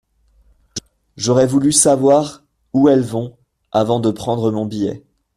J’aurais voulu savoir où elles vont… avant de prendre mon billet…